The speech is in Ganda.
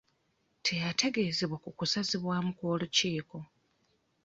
Teyategeezebwa ku kusazibwamu kw'olukiiko.